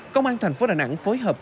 công an thành phố đà nẵng phối hợp